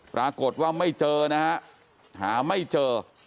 ปรากฏว่าไม่เจอนะฮะหาไม่เจอ